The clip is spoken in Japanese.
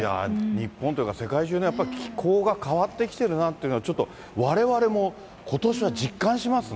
日本というか、世界中のやっぱり気候が変わってきてるなっていうのを、ちょっとわれわれも、ことしは実感しますね。